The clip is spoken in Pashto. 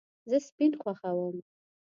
زه سپین خوښوم